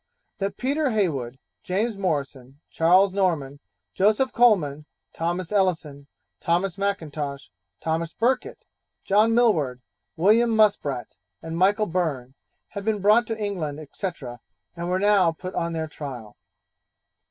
That Peter Heywood, James Morrison, Charles Norman, Joseph Coleman, Thomas Ellison, Thomas M'Intosh, Thomas Burkitt, John Millward, William Muspratt, and Michael Byrne, had been brought to England, &c., and were now put on their trial.